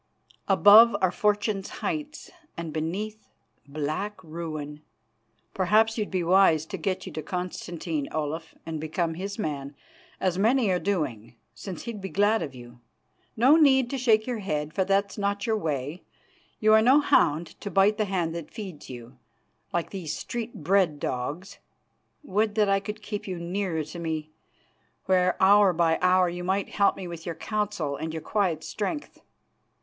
Above are Fortune's heights, and beneath black ruin. Perhaps you'd be wise to get you to Constantine, Olaf, and become his man, as many are doing, since he'd be glad of you. No need to shake your head, for that's not your way; you are no hound to bite the hand that feeds you, like these street bred dogs. Would that I could keep you nearer to me, where hour by hour you might help me with your counsel and your quiet strength.